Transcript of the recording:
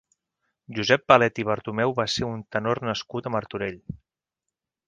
Josep Palet i Bartomeu va ser un tenor nascut a Martorell.